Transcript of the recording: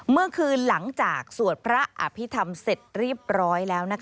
เมื่อคืนหลังจากสวดพระอภิษฐรรมเสร็จเรียบร้อยแล้ว